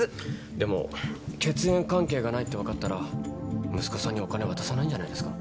でも血縁関係がないってわかったら息子さんにお金渡さないんじゃないですか？